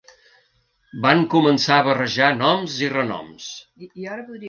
Van començar a barrejar noms i renoms.